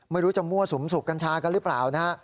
ไม่รู้จะมั่วสุมสูบกัญชากันหรือเปล่านะฮะ